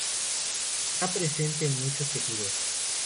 Está presente en muchos tejidos.